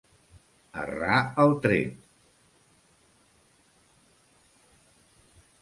Errar el tret.